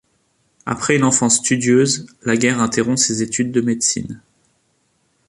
Après une enfance studieuse, la guerre interrompt ses études de médecine.